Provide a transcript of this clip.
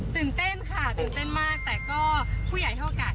ตื่นเต้นค่ะตื่นเต้นมากแต่ก็ผู้ใหญ่ให้โอกาส